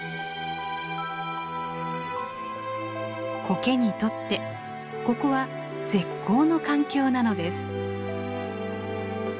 コケにとってここは絶好の環境なのです。